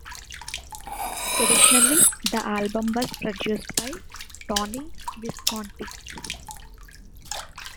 Additionally, the album was produced by Tony Visconti.